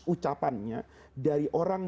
ucapannya dari orang